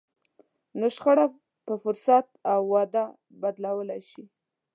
نو شخړه په فرصت او وده بدلولای شئ.